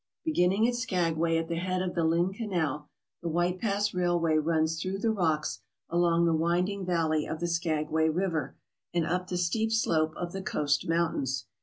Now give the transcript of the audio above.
Beginning at Skagway at the head of the Lynn Canal, the White Pass Railway runs through the rocks along the 1 06 OVER THE GOLD SEEKERS' TRAIL winding valley of the Skagway River and up the steep slope of the coast mountains.